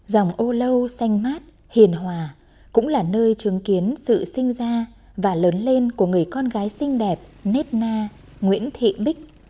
dòng âu lâu xanh mát hiền hòa cũng là nơi chứng kiến sự sinh ra và lớn lên của người con gái xinh đẹp nết nga nguyễn thị bích